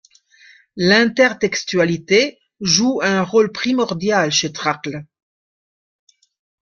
L'intertextualité joue un rôle primordial chez Trakl.